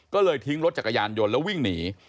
ก็เลยทิ้งรถจักรยานยนต์แล้ววิ่งหนี